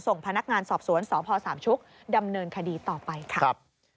ส่งพนักงานสอบสวนสพสามชุกดำเนินคดีต่อไปค่ะ